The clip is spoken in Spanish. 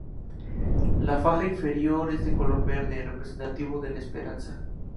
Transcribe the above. La faja inferior es de color verde, representativo de la esperanza.